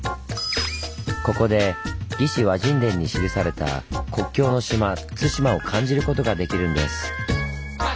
ここで「魏志倭人伝」に記された「国境の島・対馬」を感じることができるんです。